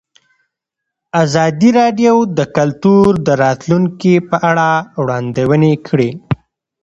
ازادي راډیو د کلتور د راتلونکې په اړه وړاندوینې کړې.